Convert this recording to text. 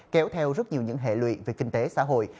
kéo theo rất nhiều những hệ lụy về kinh tế xã hội